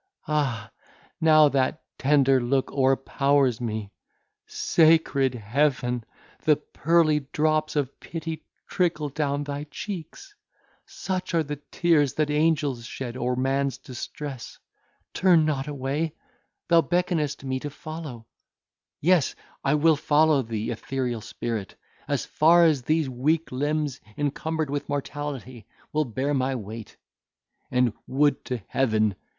Ah! how that tender look o'erpowers me! Sacred Heaven! the pearly drops of pity trickle down thy cheeks! Such are the tears that angels shed o'er man's distress!—Turn not away—Thou beckonest me to follow. Yes, I will follow thee, ethereal spirit, as far as these weak limbs, encumbered with mortality, will bear my weight; and, would to Heaven!